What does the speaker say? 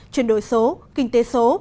chuyển đổi số kinh tế số